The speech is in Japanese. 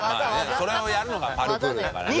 それをやるのがパルクールだからね。